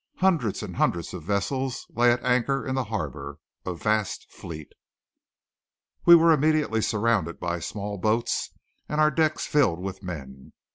Hundreds and hundreds of vessels lay at anchor in the harbour, a vast fleet. We were immediately surrounded by small boats, and our decks filled with men.